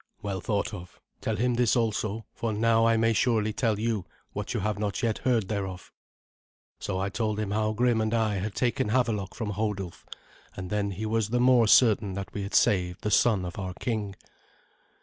"Well thought of. Tell him this also, for now I may surely tell you what you have not yet heard thereof." So I told him how Grim and I had taken Havelok from Hodulf, and then he was the more certain that we had saved the son of our king.